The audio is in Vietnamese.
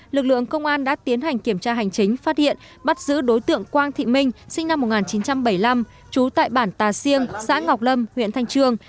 lực lượng công an đã tiến hành kiểm tra hành chính phát hiện bắt giữ đối tượng quang thị minh sinh năm một nghìn chín trăm bảy mươi năm trú tại bản tà siêng xã ngọc lâm huyện thanh trương